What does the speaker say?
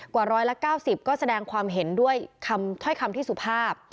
กว่าร้อยละ๙๐ก็แสดงความเห็นด้วยท้อยคำที่สุภาพ